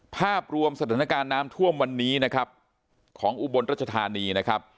ภาพรวมสถานการณ์น้ำท่วมวันนี้ของอุบลรัชธานี